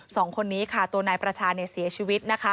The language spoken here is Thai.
สองคนนี้ค่ะตัวนายประชาเสียชีวิตนะคะ